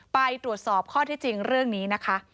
ไปตรวจสอบข้อที่จริงเรื่องนี้นะคะ